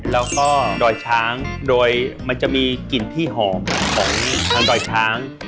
แล้วก็ดอยช้างโดยมันจะมีกลิ่นที่หอมของทางดอยช้าง